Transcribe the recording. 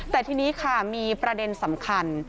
แต่ทีนี้ค่ะมีประเด็นสำคัญ